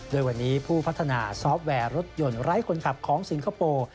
โดยวันนี้ผู้พัฒนาซอฟต์แวร์รถยนต์ไร้คนขับของสิงคโปร์